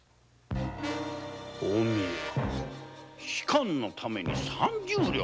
仕官のために３０両！？